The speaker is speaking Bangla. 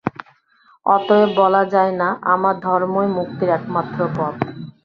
অতএব বলা যায় না, আমার ধর্মই মুক্তির একমাত্র পথ।